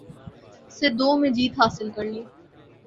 سے دو میں جیت حاصل کی ہے